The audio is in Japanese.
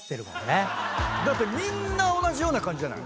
みんな同じような感じじゃない。